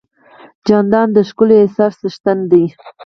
جانداد د ښکلي احساس څښتن دی.